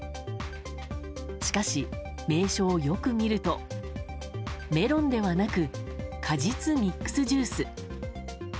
しかし、名称をよく見るとメロンではなく果実ミックスジュース。